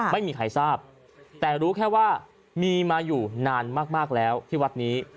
ไม่มีใครทราบแต่รู้แค่ว่ามีมาอยู่นานมากแล้วที่วัดนี้